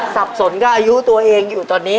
สับสนกับอายุตัวเองอยู่ตอนนี้